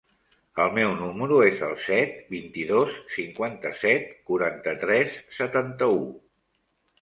El meu número es el set, vint-i-dos, cinquanta-set, quaranta-tres, setanta-u.